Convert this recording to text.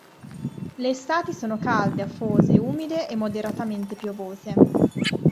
Le estati sono calde, afose, umide e moderatamente piovose.